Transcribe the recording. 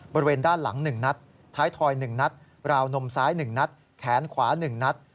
บริเวณด้านหลัง๑นัดท้ายถอย๑นัดราวนมซ้าย๑นัดแขนขวา๑นัด